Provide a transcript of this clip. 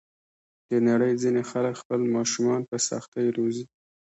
د نړۍ ځینې خلک خپل ماشومان په سختۍ روزي.